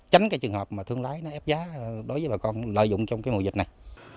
tránh cái trường hợp mà thương lái nó ép giá đối với bà con lợi dụng trong cái mùa dịch này